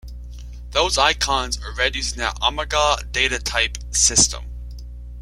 Those icons are read using Amiga DataType system.